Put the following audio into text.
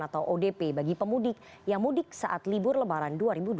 atau odp bagi pemudik yang mudik saat libur lebaran dua ribu dua puluh